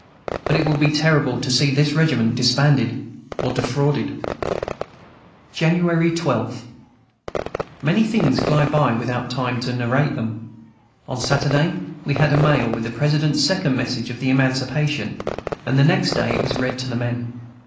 But it would be terrible to see this regiment disbanded or defrauded. January 12. Many things glide by without time to narrate them. On Saturday we had a mail with the President's Second Message of Emancipation, and the next day it was read to the men.